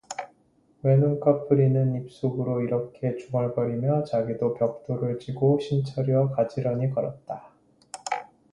외눈까풀이는 입 속으로 이렇게 중얼거리며 자기도 벽돌을 지고 신철이와 가지런히 걸었다.